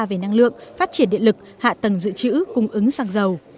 về năng lượng phát triển điện lực hạ tầng dự trữ cung ứng xăng dầu